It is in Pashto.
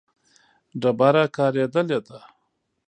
ډبره کارېدلې ده.